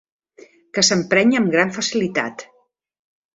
Que s'emprenya amb gran facilitat.